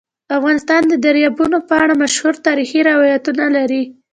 افغانستان د دریابونه په اړه مشهور تاریخی روایتونه لري.